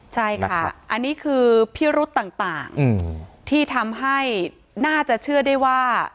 ใช่ค่ะอันนี้คือพิรุษต่างที่ทำให้น่าจะเชื่อได้ว่า